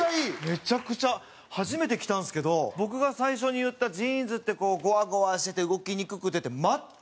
めちゃくちゃ初めて着たんですけど僕が最初に言ったジーンズってこうゴワゴワしてて動きにくくてって全くないですねこれ。